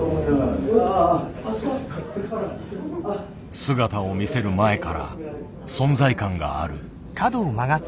姿を見せる前から存在感がある。